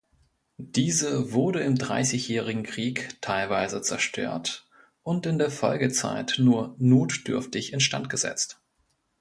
Diese wurde im Dreißigjährigen Krieg teilweise zerstört und in der Folgezeit nur notdürftig instandgesetzt.